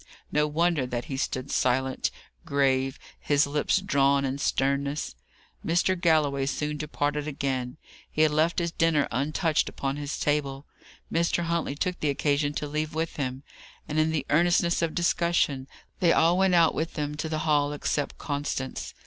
No wonder that he stood silent, grave, his lips drawn in to sternness. Mr. Galloway soon departed again. He had left his dinner untouched upon his table. Mr. Huntley took the occasion to leave with him; and, in the earnestness of discussion, they all went out with them to the hall, except Constance.